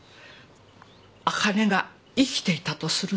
あかねが生きていたとすると。